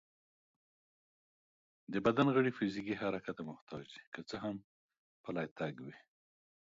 د بدن غړي فزيکي حرکت ته محتاج دي، که څه هم پلی تګ وي